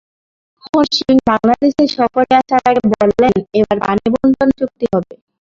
মনমোহন সিং বাংলাদেশে সফরে আসার আগে বললেন, এবার পানিবণ্টন চুক্তি হবে।